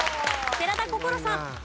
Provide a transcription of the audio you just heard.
寺田心さん。